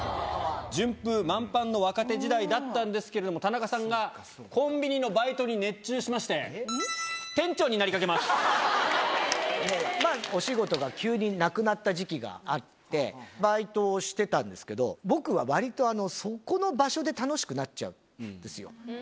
順風満帆の若手時代だったんですけれども、田中さんがコンビニのバイトに熱中しまして、まあ、お仕事が急になくなった時期があって、バイトをしてたんですけど、僕はわりとそこの場所で楽しくなっちゃうんですよ。